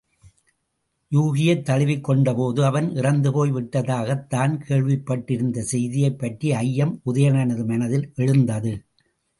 யூகியைத் தழுவிக்கொண்டபோது, அவன் இறந்துபோய் விட்டதாகத் தான் கேள்விப்பட்டிருந்த செய்தியைப் பற்றிய ஐயம், உதயணனது மனத்தில் எழுந்தது.